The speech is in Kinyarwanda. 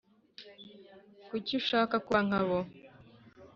Kuki ushaka kuba nkabo